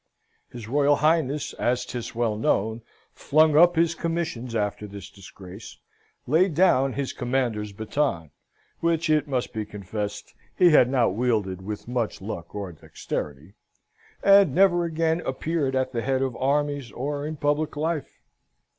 His Royal Highness, as 'tis well known, flung up his commissions after this disgrace, laid down his commander's baton which, it must be confessed, he had not wielded with much luck or dexterity and never again appeared at the head of armies or in public life.